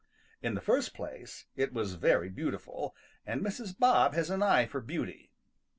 In the first place it was very beautiful, and Mrs. Bob has an eye for beauty.